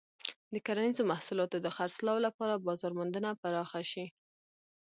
د کرنیزو محصولاتو د خرڅلاو لپاره بازار موندنه پراخه شي.